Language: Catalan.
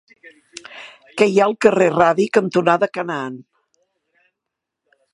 Què hi ha al carrer Radi cantonada Canaan?